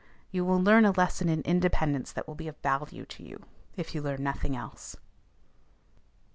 You will learn a lesson in independence that will be of value to you, if you learn nothing else.